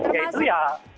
ya itu ya